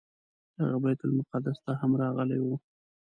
هغه بیت المقدس ته هم راغلی و.